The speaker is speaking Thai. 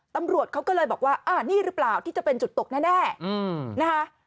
ตำรวจเขาก็เลยบอกว่าอ่านี่หรือเปล่าที่จะเป็นจุดตกแน่นะคะ